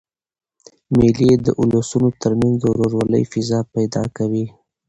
مېلې د اولسونو تر منځ د ورورولۍ فضا پیدا کوي.